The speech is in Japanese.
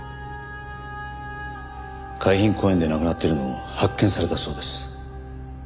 海浜公園で亡くなっているのを発見されたそうです。